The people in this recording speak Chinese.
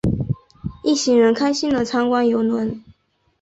一行人开心的参观邮轮。